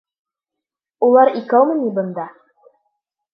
Улар икәүме ни бында?